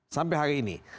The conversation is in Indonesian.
sampai hari ini